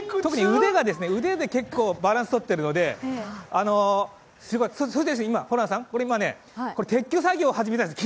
腕で結構バランスとっているので、すごい、ホランさん、今、撤去作業を始めたんです。